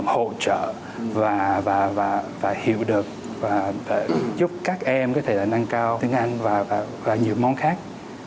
hỗ trợ và phải hiểu được và giúp các em có thể nâng cao tiếng anh và nhiều món khác